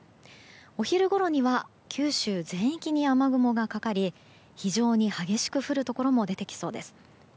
お昼ごろには九州全域に雨雲がかかり非常に激しく降るところも出てきそうです。